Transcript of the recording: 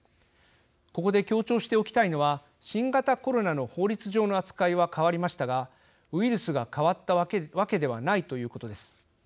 ここで強調しておきたいのは新型コロナの法律上の扱いは変わりましたがウイルスが変わったわけではないということです。